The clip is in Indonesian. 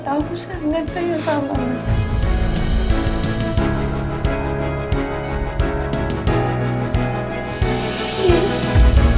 aku gak mau nyakitin papa